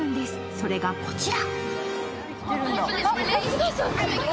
それがこちら。